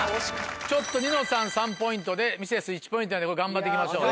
ちょっとニノさん３ポイントでミセス１ポイントなので頑張っていきましょう